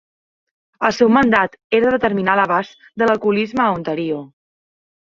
El seu mandat era determinar l'abast de l'alcoholisme a Ontario.